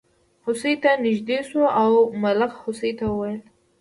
هوسۍ ته نژدې شو او ملخ هوسۍ ته وویل.